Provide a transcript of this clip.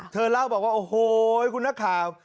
เธอเล่าบอกว่าโอ้โหคุณนักข่าว